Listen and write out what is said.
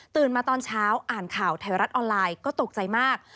มาตอนเช้าอ่านข่าวไทยรัฐออนไลน์ก็ตกใจมาก